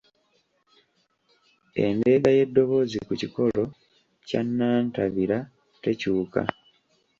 Endeega y’eddoboozi ku kikolo kya nnantabira tekyuka